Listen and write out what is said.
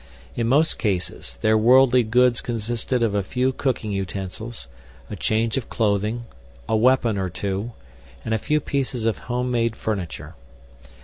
In most cases, their worldly goods consisted of a few cooking utensils, a change of clothing, a weapon or two, and a few pieces of homemade furniture.